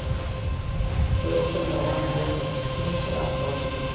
دوی غوښتل د افغان هويت او شتون څراغ بل کړي.